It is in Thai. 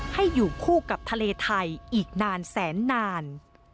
ให้อยู่คู่กับทะเลไทยอีกนานแสนนาน